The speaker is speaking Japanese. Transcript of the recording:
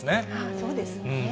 そうですね。